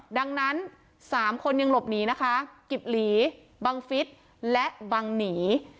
ดังนั้น๓คนยังหลบหนีนะคะกิบหลีบังฟิศและบังหนี